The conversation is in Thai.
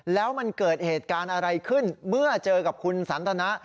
แล้วมันเกิดเหตุการณ์อะไรขึ้นเมื่อเจอกับคุณสันทนะ